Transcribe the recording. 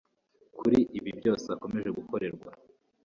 Kuri ibi byose akomeje gukorerwa